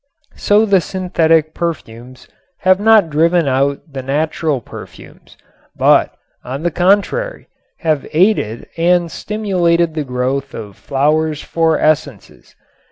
So the synthetic perfumes have not driven out the natural perfumes, but, on the contrary, have aided and stimulated the growth of flowers for essences.